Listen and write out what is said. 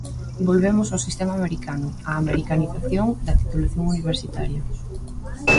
Volvemos ao sistema americano, á americanización da titulación universitaria.